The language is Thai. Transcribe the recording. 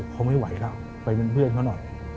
เขาไม่ไหวแล้วไปเป็นเพื่อนเขาหน่อย